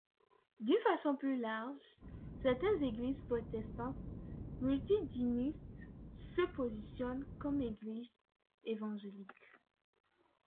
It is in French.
D’une façon plus large, certaines églises protestantes multitudinistes se positionnent comme églises évangéliques.